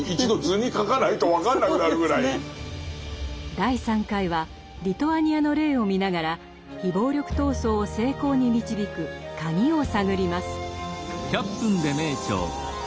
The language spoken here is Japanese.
第３回はリトアニアの例を見ながら非暴力闘争を成功に導くカギを探ります。